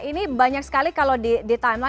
ini banyak sekali kalau di timeline di lini umum